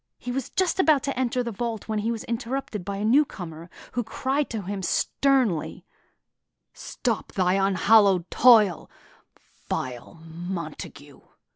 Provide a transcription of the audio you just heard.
He was just about to enter the vault when he was interrupted by a newcomer, who cried to him sternly: "Stop thy unhallowed toil, vile Montague!"